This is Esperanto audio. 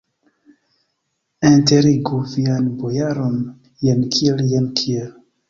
Enterigu vian bojaron, jen kiel, jen kiel!